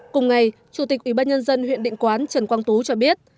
cùng ngày chủ tịch ủy ban nhân dân huyện định quán trần quang tú cho biết